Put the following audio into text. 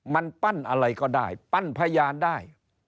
มันปั้นอะไรก็ได้ปั้นพยานได้